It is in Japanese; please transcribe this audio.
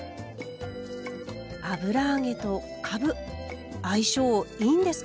油揚げとかぶ相性いいんですか？